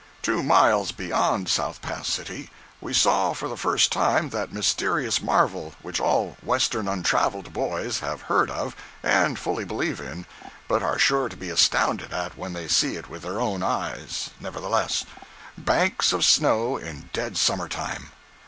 099.jpg (57K) Two miles beyond South Pass City we saw for the first time that mysterious marvel which all Western untraveled boys have heard of and fully believe in, but are sure to be astounded at when they see it with their own eyes, nevertheless—banks of snow in dead summer time.